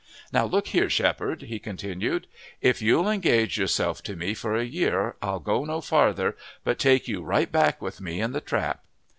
"Now look here, shepherd," he continued, "if you'll engage yourself to me for a year I'll go no farther, but take you right back with me in the trap."